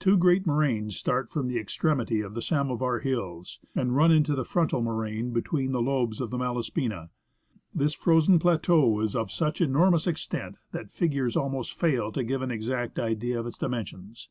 Two great moraines start from the extremity of the Samovar Hills, and run into the frontal moraine between the lobes of the Malaspina. This frozen plateau is of such enormous extent that figures almost fail to give an exact idea of its dimensions.